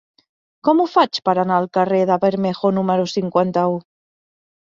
Com ho faig per anar al carrer de Bermejo número cinquanta-u?